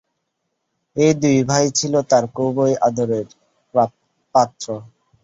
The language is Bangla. এ দুই ভাই ছিল তাঁর খুবই আদরের পাত্র।